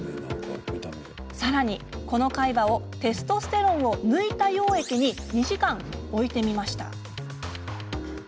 さらに、この海馬をテストステロンを抜いた溶液に２時間置いてみました。